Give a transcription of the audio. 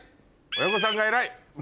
親御さんが偉い。